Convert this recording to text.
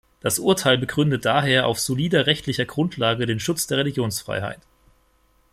Das Urteil begründet daher auf solider rechtlicher Grundlage den Schutz der Religionsfreiheit.